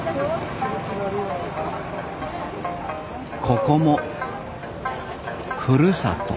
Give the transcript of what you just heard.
ここもふるさと。